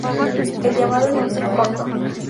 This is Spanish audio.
El llamado es un "zick" corto.